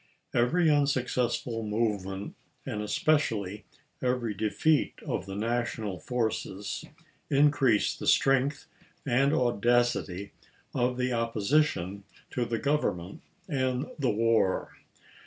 Every unsuccessful movement, and especially every defeat of the National forces, increased the strength and audacity of the opposition to the Government and the war.